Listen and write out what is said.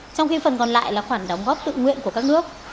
trong khi phần còn lại là khoản đóng góp tự nguyện của các nước